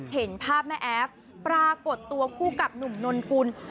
เห็นภาพแม่แอฟปรากฏตัวคู่กับหนุ่มนนกุล